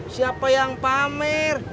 siapa yang pamer